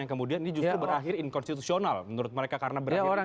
yang kemudian ini justru berakhir inkonstitusional menurut mereka karena berhadapan